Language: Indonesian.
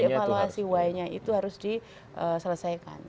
evaluasi y nya itu harus diselesaikan